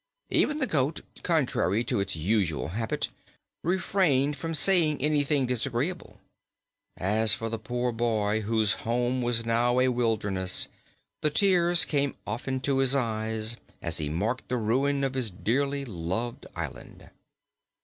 Even the goat, contrary to its usual habit, refrained from saying anything disagreeable. As for the poor boy whose home was now a wilderness, the tears came often to his eyes as he marked the ruin of his dearly loved island.